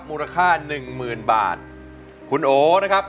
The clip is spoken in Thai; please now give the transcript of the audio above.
มูลค่าหนึ่งหมื่นบาทคุณโอนะครับ